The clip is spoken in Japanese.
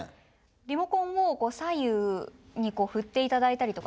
リモコンを左右に振っていただいたりとかですね